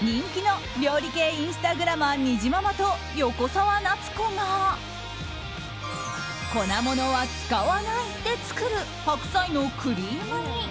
人気の料理系インスタグラマーにじままと、横澤夏子が粉ものは使わないで作る白菜のクリーム煮。